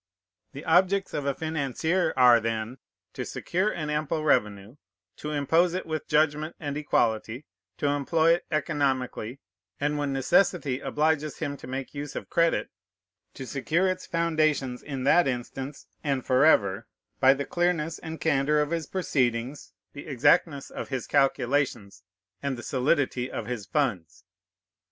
The objects of a financier are, then, to secure an ample revenue; to impose it with judgment and equality; to employ it economically; and when necessity obliges him to make use of credit, to secure its foundations in that instance, and forever, by the clearness and candor of his proceedings, the exactness of his calculations, and the solidity of his funds.